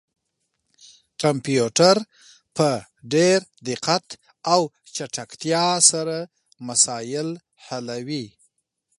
کمپيوټر په ډير دقت او چټکتيا سره مسايل حلوي